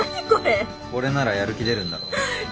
これならやる気出るんだろ？